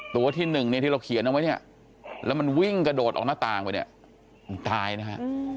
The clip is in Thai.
ตัวที่หนึ่งเนี่ยที่เราเขียนเอาไว้เนี่ยแล้วมันวิ่งกระโดดออกหน้าต่างไปเนี่ยมันตายนะฮะ